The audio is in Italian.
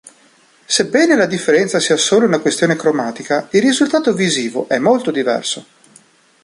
Sebbene la differenza sia solo una questione cromatica il risultato visivo è molto diverso.